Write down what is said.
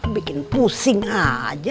bikin pusing aja